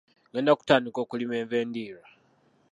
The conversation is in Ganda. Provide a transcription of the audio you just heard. Ngenda kutandika okulima enva endiirwa.